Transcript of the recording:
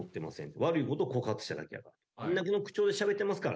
悪いことを告発しただけやから。